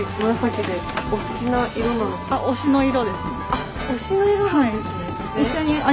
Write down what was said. あっ推しの色なんですね。